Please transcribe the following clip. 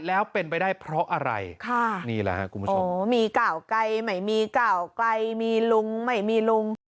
แล้วเป็นไปได้เพราะอะไร